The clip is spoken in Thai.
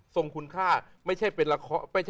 ทรงคุณค่าไม่ใช่